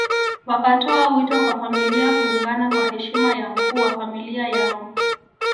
Wakatoa wito kwa familia kuungana kwa heshima ya mkuu wa familia yao